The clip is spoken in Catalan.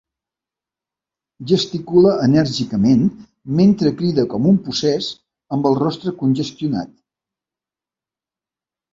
Gesticula enèrgicament mentre crida com un possés, amb el rostre congestionat.